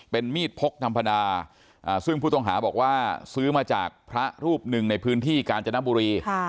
เป็นมีดพกธรรมดาซึ่งผู้ต้องหาบอกว่าซื้อมาจากพระรูปหนึ่งในพื้นที่กาญจนบุรี